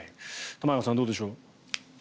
玉川さん、どうでしょう。